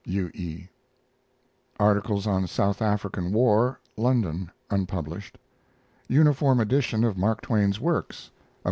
U. E. Articles on South African War (London) (unpublished) Uniform Edition of Mark Twain's works (Am.